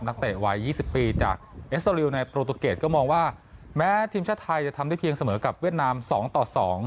เตะวัย๒๐ปีจากเอสเตอริวในโปรตูเกรดก็มองว่าแม้ทีมชาติไทยจะทำได้เพียงเสมอกับเวียดนาม๒ต่อ๒